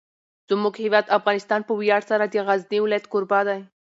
زموږ هیواد افغانستان په ویاړ سره د غزني ولایت کوربه دی.